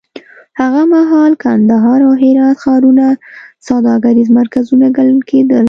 هغه مهال کندهار او هرات ښارونه سوداګریز مرکزونه ګڼل کېدل.